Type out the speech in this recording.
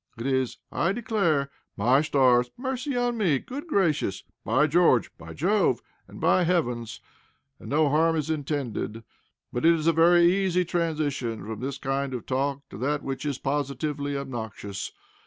It is, "I declare!" "My stars!" "Mercy on me!" "Good gracious!" "By George!" "By Jove!" and "By heavens!" and no harm is intended; but it is a very easy transition from this kind of talk to that which is positively obnoxious.